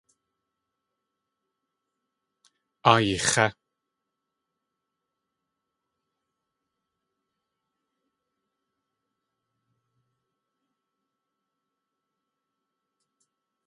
Áa ix̲é!